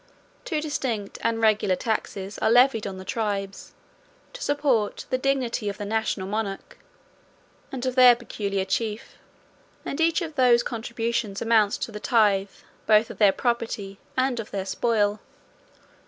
Two distinct and regular taxes are levied on the tribes, to support the dignity of the national monarch, and of their peculiar chief; and each of those contributions amounts to the tithe, both of their property, and of their spoil.